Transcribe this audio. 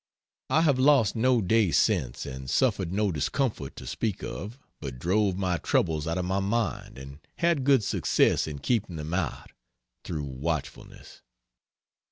I have lost no day since and suffered no discomfort to speak of, but drove my troubles out of my mind and had good success in keeping them out through watchfulness.